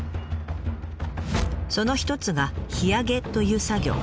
その一つが「火あげ」という作業。